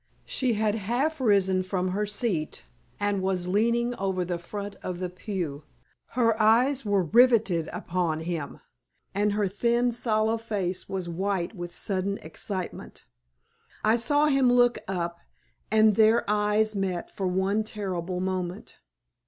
She had half risen from her seat, and was leaning over the front of the pew. Her eyes were riveted upon him, and her thin, sallow face was white with sudden excitement. I saw him look up, and their eyes met for one terrible moment.